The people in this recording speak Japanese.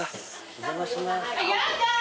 お邪魔します。